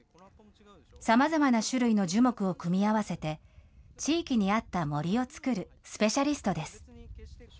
さまざまな種類の樹木を組み合わせて、地域に合った森を作るスペシャリストです。